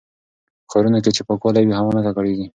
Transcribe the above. په ښارونو کې چې پاکوالی وي، هوا نه ککړېږي.